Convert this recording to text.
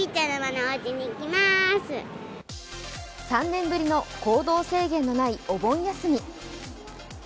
３年ぶりの行動制限のないお盆休み。